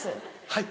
はい。